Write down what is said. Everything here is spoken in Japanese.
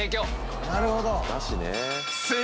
なるほど。